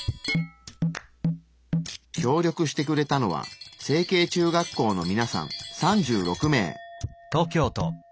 協力してくれたのは成蹊中学校のみなさん３６名。